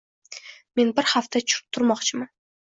Men bir hafta turmoqchiman.